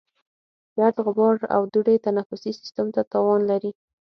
ګرد، غبار او دوړې تنفسي سیستم ته تاوان لري.